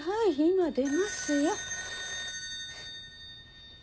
今出ますよ。